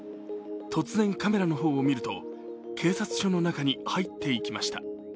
突然、カメラの方を見ると警察署の中に入っていきました。